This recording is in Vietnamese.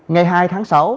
ngày hai tháng sáu